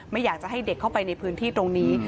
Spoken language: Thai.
ไม่อยากจะให้เด็กเข้าไปในพื้นที่ตรงนี้